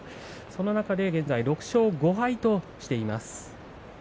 その中で６勝５敗としています。